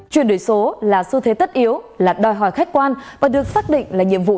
chuyển đổi số là xu thế tất yếu là đòi hỏi khách quan và được xác định là nhiệm vụ